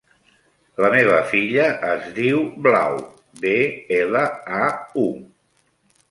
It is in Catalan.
La meva filla es diu Blau: be, ela, a, u.